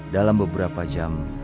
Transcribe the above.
dalam beberapa jam